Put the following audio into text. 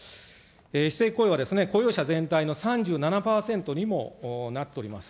非正規雇用は雇用者全体の３７％にもなっております。